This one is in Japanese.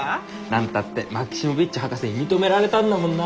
何たってマキシモヴィッチ博士に認められたんだもんな。